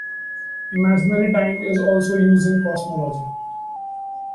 Imaginary time is also used in cosmology.